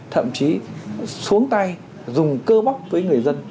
thậm chí xuống tay dùng cơ bóc với người dân